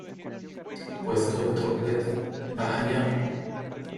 Pues coge otro juguete. ¡ Baja ya!